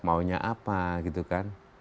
maunya apa gitu kan